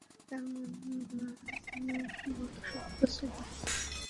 তাঁর মন গলানো বড়ো শক্ত ছিল।